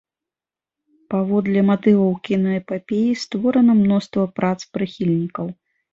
Паводле матываў кінаэпапеі створана мноства прац прыхільнікаў.